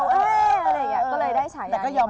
ก็เลยได้ฉายที่นั้น